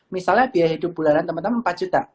misalnya biaya hidup bulanan teman teman empat juta